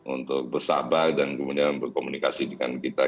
untuk bersabar dan kemudian berkomunikasi dengan kita